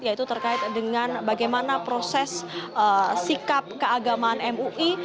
yaitu terkait dengan bagaimana proses sikap keagamaan mui